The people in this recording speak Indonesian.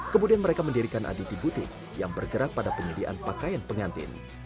kemudian mereka mendirikan aditi butik yang bergerak pada penyediaan pakaian pengantin